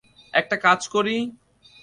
একটা কাজ করি!